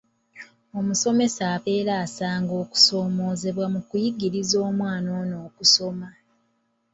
Omusomesa abeera asanga okusoomooza mu kuyigiriza omwana ono okusoma.